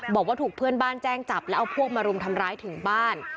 บอกว่าถูกเพื่อนบ้านแจ้งจับแล้วเอาพวกมารุมทำร้ายถึงบ้าน